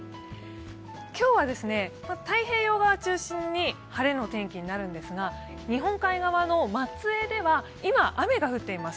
今日は太平洋側中心に晴れの天気になるんですが日本海側の松江では今、雨が降っています。